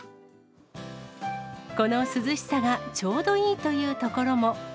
この涼しさがちょうどいいという所も。